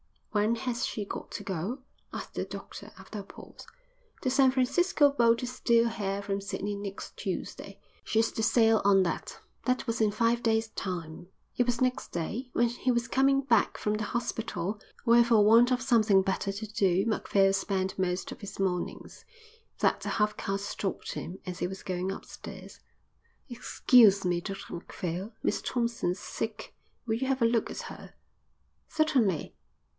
"When has she got to go?" asked the doctor, after a pause. "The San Francisco boat is due here from Sydney next Tuesday. She's to sail on that." That was in five days' time. It was next day, when he was coming back from the hospital where for want of something better to do Macphail spent most of his mornings, that the half caste stopped him as he was going upstairs. "Excuse me, Dr Macphail, Miss Thompson's sick. Will you have a look at her." "Certainly."